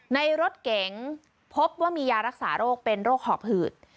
ในรถเก๋งพบว่ามียารักษาโรคเป็นโรคหอบหืด